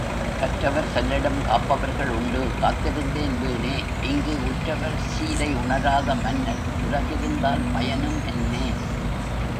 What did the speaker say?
கற்றவர் செல்லிடம் காப்பவர்கள் உண்டு காத்திருந்தேன் வீணே இங்கு உற்றவர் சீரை உணராத மன்னர் உலகிருந்தால் பயனும் என்னே!